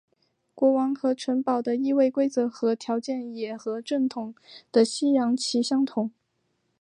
国王和城堡的易位规则和条件也和正统的西洋棋相同。